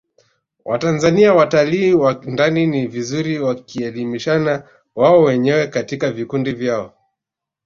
Watanzania watalii wa ndani ni vizuri wakaelimishana wao wenyewe katika vikundi vyao